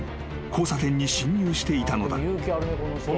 ［交差点に進入していたのだ］